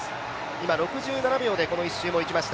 今、６７秒でこの１周をいきました。